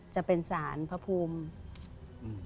จะเป็นศาลพระภูมิ